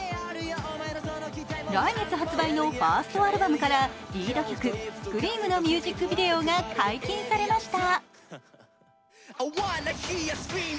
来月発売のファーストアルバムからリード曲「Ｓｃｒｅａｍ」のミュージックビデオが解禁されました。